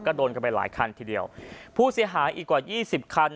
ก็โดนกันไปหลายคันทีเดียวผู้เสียหายอีกกว่ายี่สิบคัน